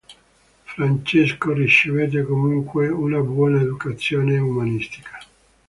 Francesco ricevette comunque una buona educazione umanistica.